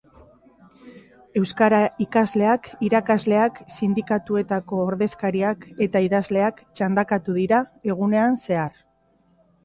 Euskara ikasleak, irakasleak, sindikatuetako ordezkariak eta idazleak txandakatu dira egunean zehar.